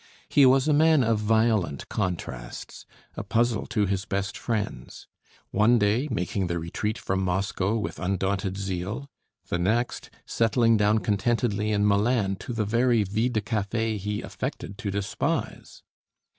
He was a man of violent contrasts, a puzzle to his best friends; one day making the retreat from Moscow with undaunted zeal, the next settling down contentedly in Milan, to the very vie de café he affected to despise.